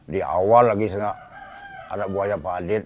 di awal lagi anak buahnya pak adit